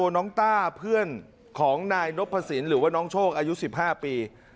ต้าเพื่อนของนายนพสินหรือว่าน้องโชคอายุ๑๕ปี